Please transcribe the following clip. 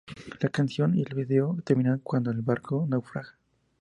La canción y el vídeo terminan cuando el barco naufraga.